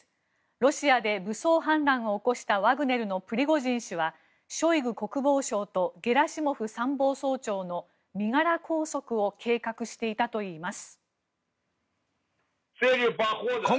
ロシアで武装反乱を起こしたワグネルのプリゴジン氏はショイグ国防相とゲラシモフ参謀総長の身柄拘束を計画していたといいます。